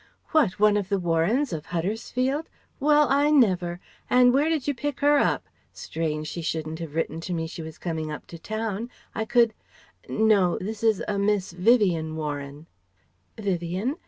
"What, one of the Warrens of Huddersfield? Well, I never! And where did you pick her up? Strange she shouldn't have written to me she was coming up to town! I could " "No, this is a Miss Vivien Warren " "Vivien?